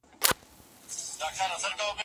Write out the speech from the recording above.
د کار ځواک پراخې زده کړې د پرمختګ لاره هواروي.